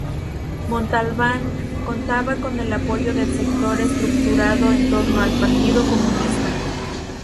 Montalbán contaba con el apoyo del sector estructurado en torno al partido comunista.